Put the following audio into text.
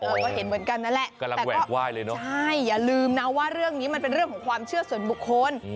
ก็เห็นเหมือนกันนั่นแหละกำลังแหวกไหว้เลยเนอะใช่อย่าลืมนะว่าเรื่องนี้มันเป็นเรื่องของความเชื่อส่วนบุคคล